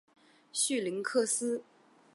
绪林克斯。